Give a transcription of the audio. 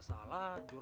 hei malah kau john